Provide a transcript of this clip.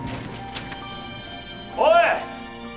おい！